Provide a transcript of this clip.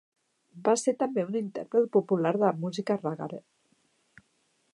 Va ser també un intèrpret popular de música Raggare.